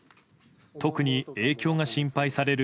特に影響が心配される